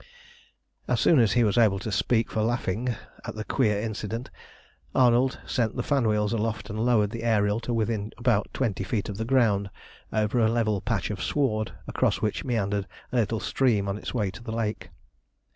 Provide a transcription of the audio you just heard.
As soon as he was able to speak for laughing at the queer incident, Arnold sent the fan wheels aloft and lowered the Ariel to within about twenty feet of the ground over a level patch of sward, across which meandered a little stream on its way to the lake.